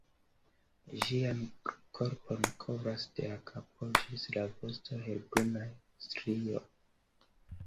Ĝian korpon kovras de la kapo ĝis la vosto helbrunaj strioj.